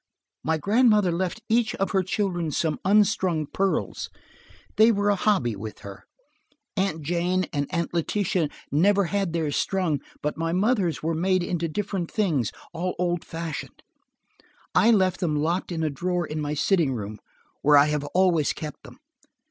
"My grandmother left each of her children some unstrung pearls. They were a hobby with her. Aunt Jane and Aunt Letitia never had theirs strung, but my mother's were made into different things, all old fashioned. I left them locked in a drawer in my sitting room, where I have always kept them.